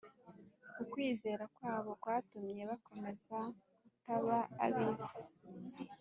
Ukwizera kwabo kwatumye bakomeza kutaba ab’isi